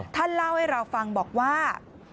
ท่านเล่าให้เราฟังบอกว่า